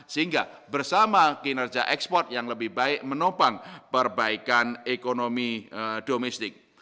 sehingga bersama kinerja ekspor yang lebih baik menopang perbaikan ekonomi domestik